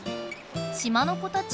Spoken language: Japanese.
島の子たち